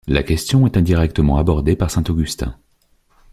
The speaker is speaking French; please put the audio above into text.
La question est indirectement abordée par Saint Augustin.